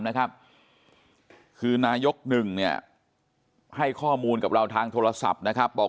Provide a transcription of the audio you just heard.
นะครับคือนายกหนึ่งเนี่ยให้ข้อมูลกับเราทางโทรศัพท์นะครับบอก